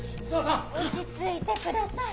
・落ち着いてください！